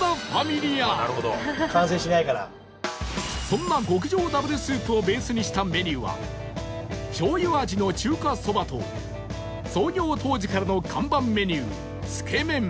そんな極上 Ｗ スープをベースにしたメニューは醤油味の中華そばと創業当時からの看板メニューつけめん